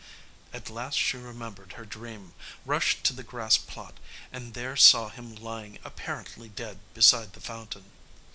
At last she remembered her dream, rushed to the grass plot, and there saw him lying apparently dead beside the fountain.